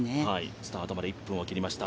スタートまで１分を切りました。